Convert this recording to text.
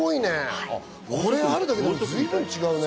これ、あるだけでも随分違うね。